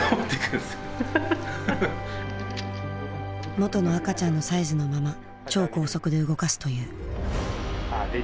元の赤ちゃんのサイズのまま超高速で動かすという。